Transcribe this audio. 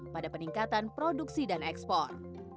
pada peningkatan produksi dan ekspor